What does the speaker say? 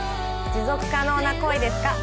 「持続可能な恋ですか？」